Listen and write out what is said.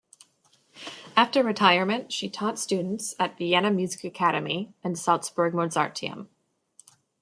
After retirement, she taught students at Vienna Music Academy and Salzburg Mozarteum.